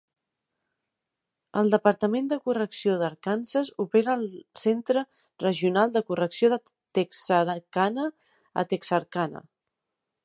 El Departament de Correcció d'Arkansas opera el Centre Regional de Correcció de Texarkana a Texarkana.